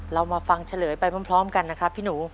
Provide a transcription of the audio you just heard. เรามาฟังเฉลยไปพร้อมกันนะครับพี่หนู